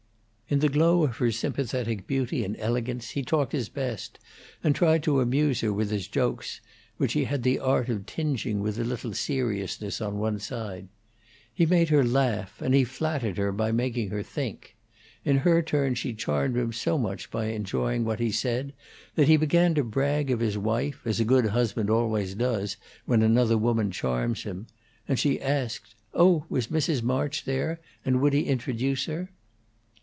In the glow of her sympathetic beauty and elegance he talked his best, and tried to amuse her with his jokes, which he had the art of tingeing with a little seriousness on one side. He made her laugh; and he flattered her by making her think; in her turn she charmed him so much by enjoying what he said that he began to brag of his wife, as a good husband always does when another woman charms him; and she asked, Oh was Mrs. March there; and would he introduce her?